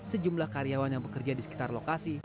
sejumlah karyawan yang bekerja di sekitar lokasi